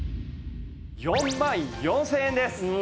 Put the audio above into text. ４万４０００円です！